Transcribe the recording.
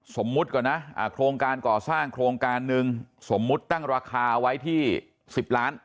สมมุติก่อนนะโครงการก่อสร้างโครงการหนึ่งสมมุติตั้งราคาไว้ที่๑๐ล้าน